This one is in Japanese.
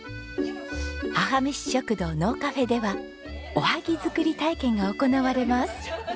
母めし食堂のうカフェではおはぎ作り体験が行われます。